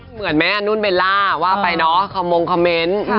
เหมือนแม่นุ่นเบลล่าว่าไปเนาะคอมมงคอมเมนต์